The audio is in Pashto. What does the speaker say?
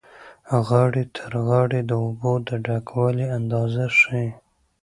غاړې تر غاړې د اوبو د ډکوالي اندازه ښیي.